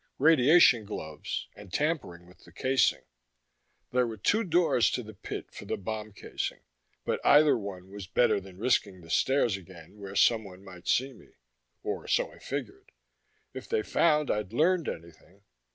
Radiation gloves and tampering with the casing! There were two doors to the pit for the bomb casing, but either one was better than risking the stairs again where someone might see me. Or so I figured. If they found I'd learned anything....